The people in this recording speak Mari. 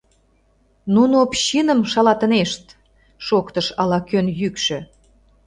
— Нуно общиным шалатынешт! — шоктыш ала-кӧн йӱкшӧ.